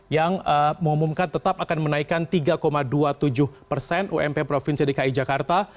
yang mengumumkan tetap akan menaikkan tiga dua puluh tujuh persen ump provinsi dki jakarta